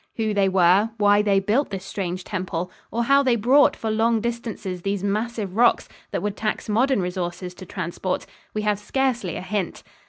Who they were, why they built this strange temple, or how they brought for long distances these massive rocks that would tax modern resources to transport, we have scarcely a hint.